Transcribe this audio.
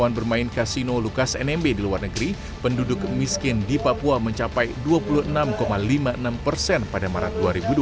pemain bermain kasino lukas nmb di luar negeri penduduk miskin di papua mencapai dua puluh enam lima puluh enam persen pada maret dua ribu dua puluh